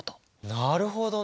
なるほどね。